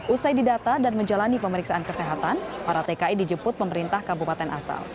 usai didata dan menjalani pemeriksaan kesehatan para tki dijemput pemerintah kabupaten asal